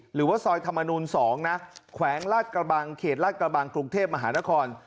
หรือว่าซอยธรรมนูล๒นะแขวงลาดกระบังเขตลาดกระบังกรุงเทพมหานคร